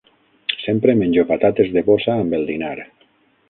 Sempre menjo patates de bossa amb el dinar